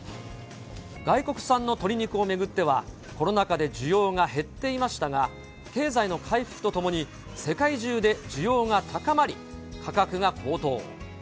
外国産の鶏肉を巡っては、コロナ禍で需要が減っていましたが、経済の回復とともに、世界中で需要が高まり、価格が高騰。